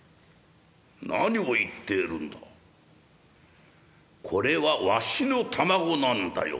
「何を言っているんだこれはわしの玉子なんだよ」。